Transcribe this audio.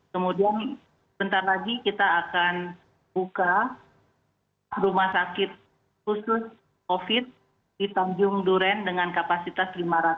kemudian sebentar lagi kita akan buka rumah sakit khusus covid di tanjung duren dengan kapasitas lima ratus